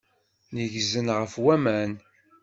Neggzen ɣer waman.